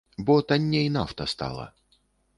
Бо танней нафта стала.